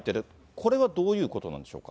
これはどういうことなんでしょうか。